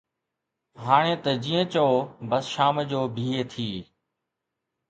هاڻي ته جيئن چئو، بس شام جو بيهي ٿي